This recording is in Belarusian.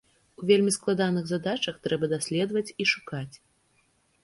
У вельмі складаных задачах трэба даследаваць і шукаць.